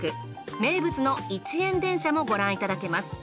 名物の１円電車もご覧いただけます。